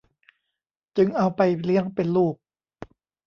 จึงเอาไปเลี้ยงเป็นลูก